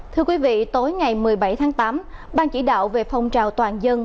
thưa quý vị tối ngày một mươi bảy tháng tám ban chỉ đạo về phong trào toàn dân